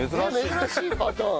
珍しいパターン。